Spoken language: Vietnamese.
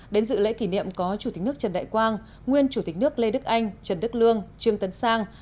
đến dự lễ kỷ niệm có chủ tịch nước trần đại quang nguyên chủ tịch nước lê đức anh trần đức lương trương tấn sang